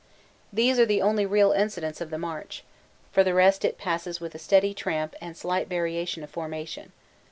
These are the only real incidents of the march for the rest it passes with a steady tramp and slight variation of formation.